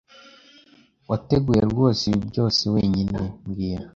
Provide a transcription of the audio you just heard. Wateguye rwose ibi byose wenyine mbwira